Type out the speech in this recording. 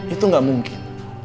itu gak mungkin